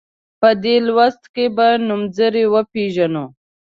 په دې لوست کې به نومځري وپيژنو.